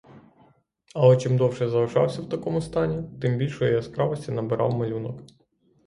Але чим довше залишався в такому стані, тим більшої яскравості набирав малюнок.